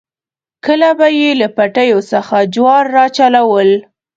کله به یې له پټیو څخه جوار راچلول.